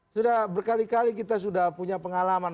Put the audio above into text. sudah berkali kali kita sudah punya pengalaman